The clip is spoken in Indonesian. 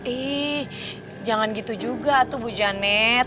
ih jangan gitu juga tuh bu janet